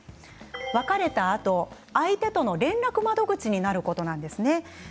別れたあと相手との連絡窓口になることなんですね。